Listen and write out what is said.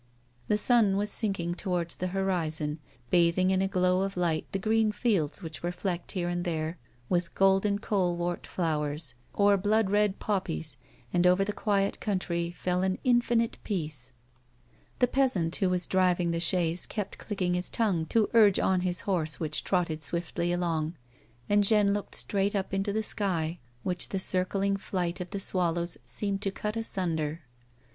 The sun was sinking towards the horizon, bathing in a glow of light the green fields which were flecked here and there with golden colewort flowers or blood red poppies, and over the quiet country fell an infinite peace. The peasant who was driving the chaise kept clicking his tongue to urge on his horse which trotted swiftly along, and Jeanne looked straight up into the sky which the circling flight of the swallows seemed to cut asunder.